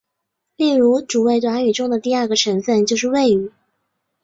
例如主谓短语中的第二个成分就是谓语。